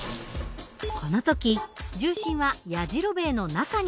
この時重心はやじろべえの中にあります。